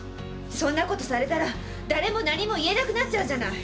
そんなことされたら誰も何も言えなくなっちゃうじゃない！